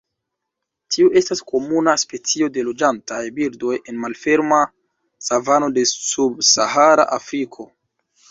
Tiu estas komuna specio de loĝantaj birdoj en malferma savano de Subsahara Afriko.